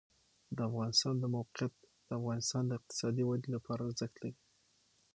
د افغانستان د موقعیت د افغانستان د اقتصادي ودې لپاره ارزښت لري.